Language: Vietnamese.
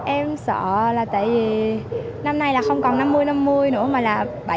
em sợ là tại vì năm nay là không còn năm mươi năm mươi nữa mà là bảy mươi ba mươi